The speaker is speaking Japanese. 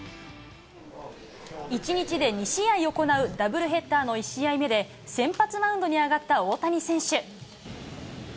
１日で２試合行うダブルヘッダーの１試合目で、先発マウンドに上がった大谷選手。